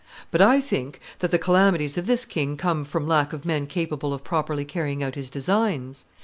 But I think that the calamities of this king come from lack of men capable of properly carrying out his designs.